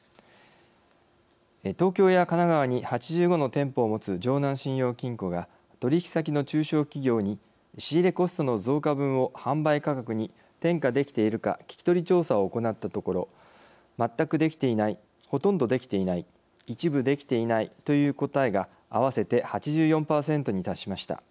東京や神奈川に８５の店舗を持つ城南信用金庫が取引先の中小企業に仕入れコストの増加分を販売価格に転嫁できているか聞き取り調査を行ったところ「まったくできていない」「ほとんどできていない」「一部できていない」という答えが合わせて８４％に達しました。